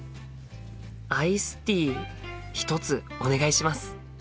アイスティー１つお願いします。